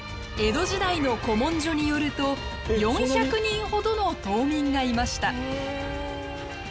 江戸時代の古文書によると４００人ほどの島民がいました。